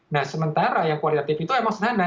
nah sementara yang kualitatif itu emang sederhana